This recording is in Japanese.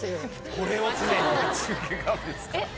これを常に。